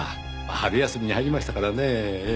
春休みに入りましたからねぇ。